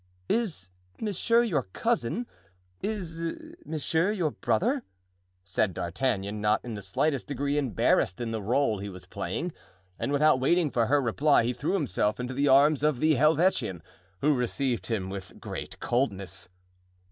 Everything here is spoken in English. "Is monsieur your cousin? Is monsieur your brother?" said D'Artagnan, not in the slightest degree embarrassed in the role he was playing. And without waiting for her reply he threw himself into the arms of the Helvetian, who received him with great coldness.